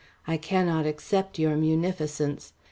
I cannot accept your munificence.